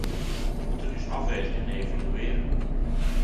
Wij moeten dus afwegen en evalueren.